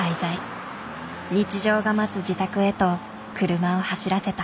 日常が待つ自宅へと車を走らせた。